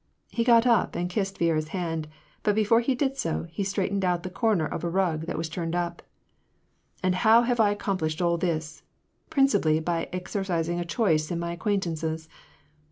He got up and kissed Viera's hand, but before he did so, he straightened out the corner of a rug that was turned up. " And how have I accomplished all this ; principally; by exer cising a choice in my acquaintances.